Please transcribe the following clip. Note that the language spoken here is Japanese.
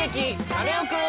カネオくん」。